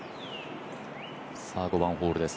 ５番ホールです。